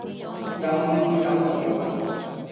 有網址有何用